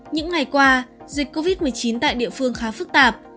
những ngày qua dịch covid một mươi chín tại địa phương khá phức tạp